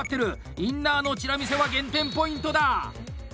インナーのチラ見せは減点ポイントだ！